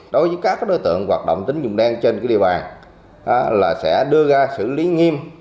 đối với các đối tượng hoạt động tính dụng đen trên địa bàn sẽ đưa ra xử lý nghiêm